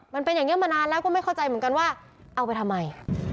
มันเป็นอย่างนี้มานานแล้วก็ไม่เข้าใจเหมือนกันว่าเอาไปทำไม